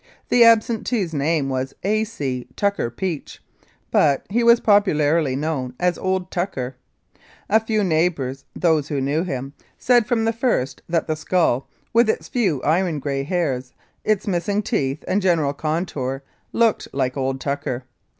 The absentee's name was A. C. Tucker Peach, but he was popularly known as "Old Tucker." A few neigh bours, those who knew him, said from the first that that skull, with its few iron grey hairs, its missing teeth and general contour "looked like old Tucker."